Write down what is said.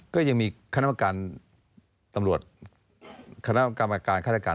ก็ยังมีขณะกรรมการ